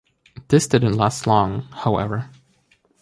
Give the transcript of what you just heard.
This didn't last long, however.